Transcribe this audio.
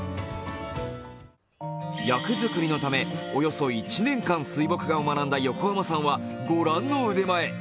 役作りのため、およそ１年間水墨画を学んだ横浜さんはご覧の腕前。